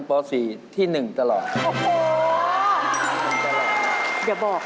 สวัสดีครับทุกคน